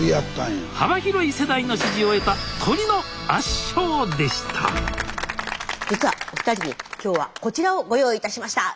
幅広い世代の支持を得た鶏の圧勝でした実はお二人に今日はこちらをご用意いたしました。